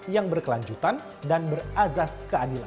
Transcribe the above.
yang berkelanjutan dan berazas keadilan